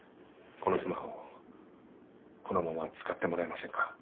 このスマホこのまま使ってもらえませんか？